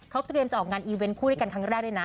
เขาเตรียมจะออกงานอีเวนต์คู่ด้วยกันครั้งแรกด้วยนะ